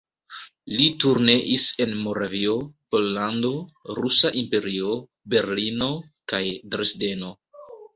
Li turneis en Moravio, Pollando, Rusa Imperio, Berlino kaj Dresdeno.